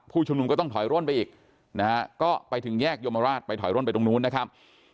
ชุมนุมก็ต้องถอยร่นไปอีกนะฮะก็ไปถึงแยกยมราชไปถอยร่นไปตรงนู้นนะครับ